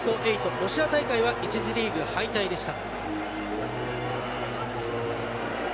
ロシア大会は１次リーグ敗退でした。